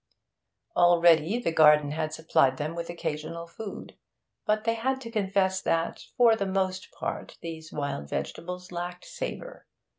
Already the garden had supplied them with occasional food, but they had to confess that, for the most part, these wild vegetables lacked savour.